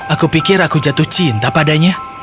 aku pikir aku jatuh cinta padanya